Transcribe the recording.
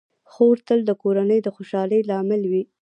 خور تل د کورنۍ د خوشحالۍ لامل وي.